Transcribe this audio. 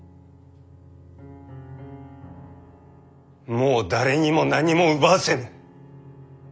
もう誰にも何も奪わせぬ！